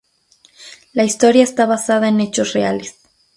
La historia está basada en hechos reales.